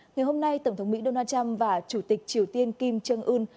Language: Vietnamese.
ngày hôm nay tổng thống mỹ donald trump và chủ tịch triều tiên kim jong un